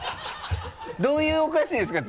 どういうお菓子ですか？